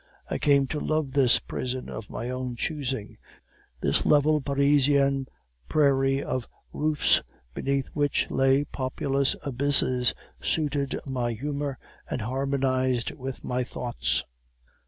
I came to love this prison of my own choosing. This level Parisian prairie of roofs, beneath which lay populous abysses, suited my humor, and harmonized with my thoughts.